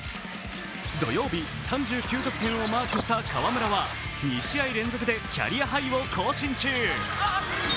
土曜日、３９得点をマークした河村は２試合連続でキャリアハイを更新中。